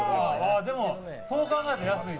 でも、そう考えると安いね。